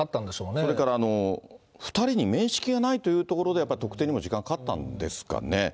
それから２人に面識がないというところで、やっぱり特定にも時間かかったんですかね。